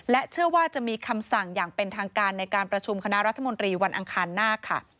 เชื่อว่าจะมีคำสั่งอย่างเป็นทางการในการประชุมคณะรัฐมนตรีวันอังคารหน้าค่ะ